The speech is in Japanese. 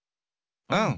うん！